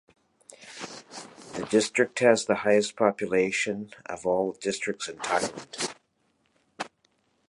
The district has the highest population of all districts of Thailand.